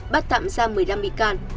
bắt tạm giam một mươi năm bị can